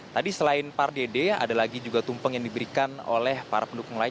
tadi selain pardede ada lagi juga tumpeng yang diberikan oleh para pendukung lain